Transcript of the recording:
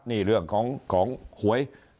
นี่เรื่องของหวย